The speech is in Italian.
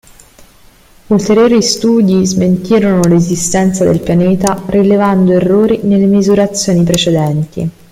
Ulteriori studi smentirono l'esistenza del pianeta rilevando errori nelle misurazioni precedenti.